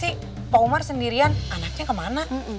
tapi kok tumen sih pak umar sendirian anaknya kemana